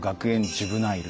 ジュブナイル。